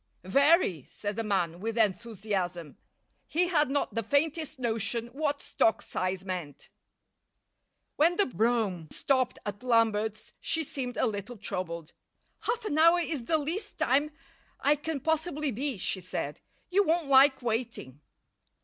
"Very," said the man, with enthusiasm. He had not the faintest notion what stock size meant. When the brougham stopped at Lambert's she seemed a little troubled. "Half an hour is the least time I can possibly be," she said. "You won't like waiting."